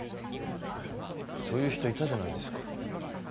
そういう人いたじゃないですか。